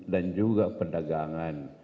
dan juga perdagangan